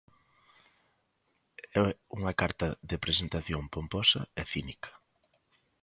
É unha carta de presentación pomposa e cínica.